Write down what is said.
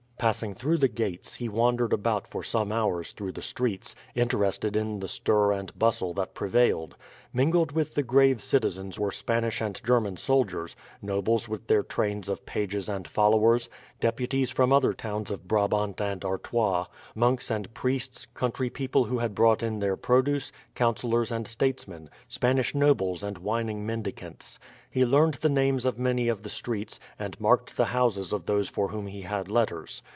Passing through the gates, he wandered about for some hours through the streets, interested in the stir and bustle that prevailed. Mingled with the grave citizens were Spanish and German soldiers, nobles with their trains of pages and followers, deputies from other towns of Brabant and Artois, monks and priests, country people who had brought in their produce, councillors and statesmen, Spanish nobles and whining mendicants. He learnt the names of many of the streets, and marked the houses of those for whom he had letters.